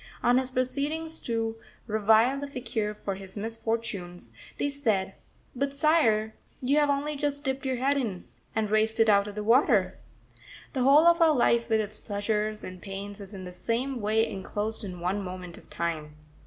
On his proceeding to revile the faquir for his misfortunes, they said: "But, Sire, you have only just dipped your head in, and raised it out of the water!" The whole of our life with its pleasures and pains is in the same way enclosed in one moment of time.